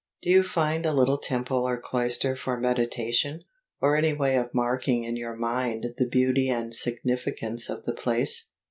Do you find a little temple or cloister for meditation, or any way of marking in your mind the beauty and significance of the place?